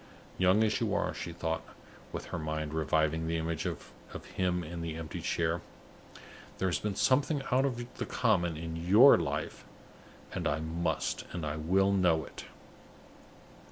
"Young as you are," she thought, with her mind reviving the image of him in the empty chair, "there has been something out of the common in your life; and I must and will know it!"